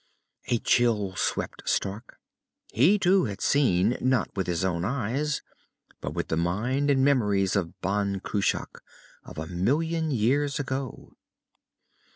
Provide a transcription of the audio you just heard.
_" A chill swept Stark. He too had seen, not with his own eyes but with the mind and memories of Ban Cruach, of a million years ago.